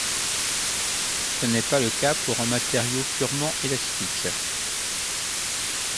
Ce n'est pas le cas pour un matériau purement élastique.